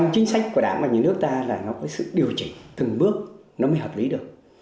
cái của đảng và những nước ta là nó có sự điều chỉnh từng bước nó mới hợp lý được